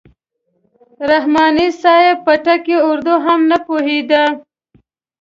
رحماني صاحب په ټکي اردو هم نه پوهېده.